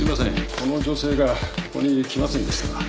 この女性がここに来ませんでしたか？